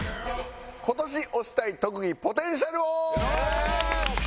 「今年推したい特技ポテンシャル王」！